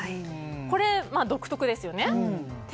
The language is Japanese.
これ、独特ですよね。